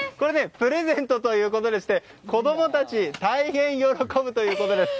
プレゼントということでして子供たち大変喜ぶということです。